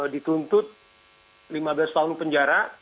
dituntut lima belas tahun penjara